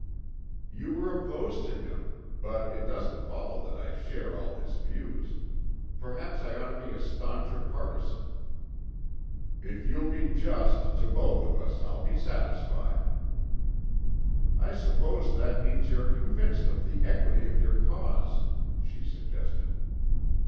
"You were opposed to him; but it doesn't follow that I share all his views. Perhaps I ought to be a stauncher partisan." "If you'll be just to both of us, I'll be satisfied." "I suppose that means you're convinced of the equity of your cause," she suggested.